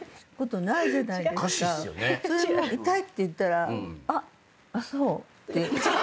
それで痛いって言ったら「あっ！あっそう」って。